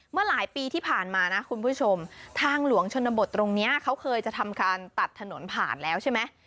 เมื่อหลายปีที่ผ่านมานะคุณผู้ชมทางหลวงชนบทตรงนี้เขาเคยจะทำการตัดถนนผ่านแล้วใช่ไหม